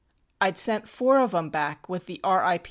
ŌĆ£IŌĆÖd sent four of ŌĆÖem back with the R. I.